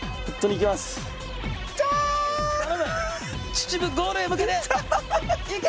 秩父ゴールへ向けていけ！